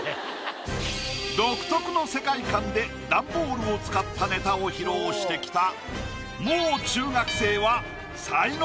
独特の世界観で段ボールを使ったネタを披露してきた。